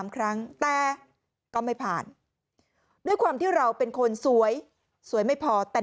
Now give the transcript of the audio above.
๓ครั้งแต่ก็ไม่ผ่านด้วยความที่เราเป็นคนสวยสวยไม่พอแต่